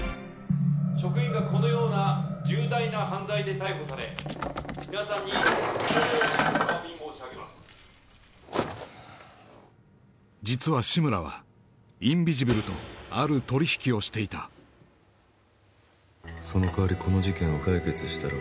職員がこのような重大な犯罪で逮捕され皆さんに実は志村はインビジブルとある取引をしていたそのかわりこの事件を解決したら